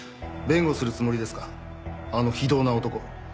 あの非道な男を。